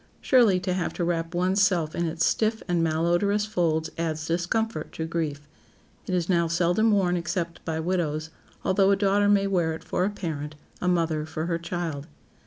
Surely to have to wrap one's self in its stiff and malodorous folds adds discomfort to grief. It is now seldom worn except by widows, although a daughter may wear it for a parent, a mother for her child.